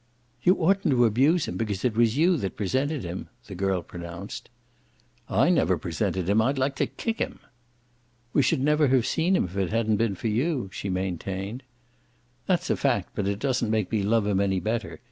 "You oughtn't to abuse him, because it was you that presented him," the girl pronounced. "I never presented him! I'd like to kick him." "We should never have seen him if it hadn't been for you," she maintained. "That's a fact, but it doesn't make me love him any better.